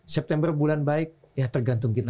september bulan baik ya tergantung kita